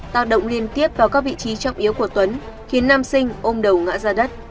tạo động liên tiếp vào các vị trí trọng yếu của tuấn khiến nam sinh ôm đầu ngã ra đất